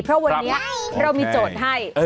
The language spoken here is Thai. เพราะวันนี้เรามีโจทย์ให้